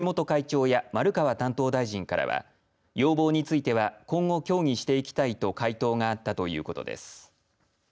これに対し組織委員会の橋本会長や丸川担当大臣からは要望については今後、協議していきたいと回答があったということです。